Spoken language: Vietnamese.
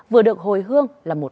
vừa được hồi hương là một bài hát